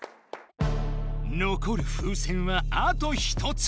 のこる風船はあと１つ。